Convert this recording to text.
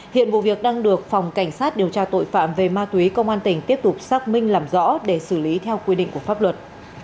hiện vụ việc đang được phòng cảnh sát điều tra tội phạm về ma túy công an tỉnh tiếp tục xác minh làm rõ để xử lý theo quy định của pháp luật